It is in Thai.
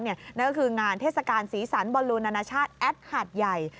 นั่นก็คืองานเทศกาลสีสันบอลลูนานาชาติแอดหาดใหญ่